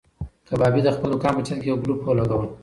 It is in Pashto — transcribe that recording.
کبابي د خپل دوکان په چت کې یو ګلوب ولګاوه.